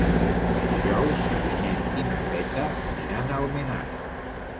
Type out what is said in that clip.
Dijous na Vinyet i na Greta aniran a Almenara.